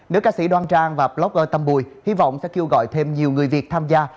nữ ca sĩ đoan trang và blogger tomboui hy vọng sẽ kêu gọi thêm nhiều người việt tham gia